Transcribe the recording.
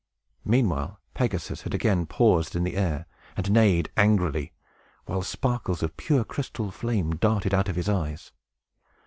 Meanwhile Pegasus had again paused in the air, and neighed angrily, while sparkles of a pure crystal flame darted out of his eyes.